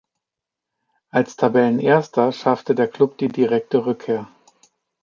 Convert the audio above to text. Als Tabellenerster schaffte der Klub die direkte Rückkehr.